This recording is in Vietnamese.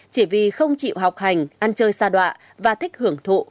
chỉ vì không chịu học hành ăn chơi xa đoạ và thích hưởng thụ